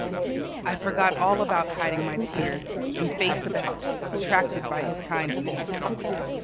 I forgot all about hiding my tears, and faced about, attracted by his kindness.